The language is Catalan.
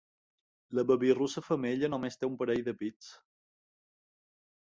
La babirussa femella només té un parell de pits.